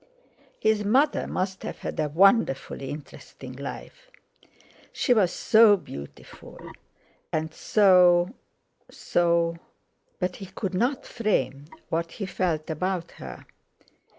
His mother must have had a wonderfully interesting life; she was so beautiful, and so—so—but he could not frame what he felt about her.